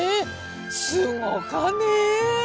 すごかねえ。